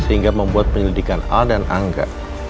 sehingga membuat penyelidikan al dan angga